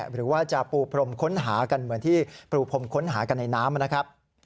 หรือว่าจะปูพรมค้นหากันเหมือนที่ปูพรมค้นหากันในน้ำนะครับ